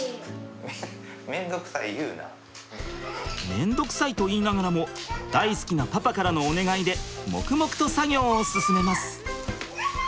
めんどくさいと言いながらも大好きなパパからのお願いで黙々と作業を進めます。